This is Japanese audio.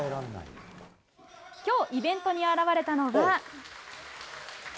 きょう、イベントに現れたのが。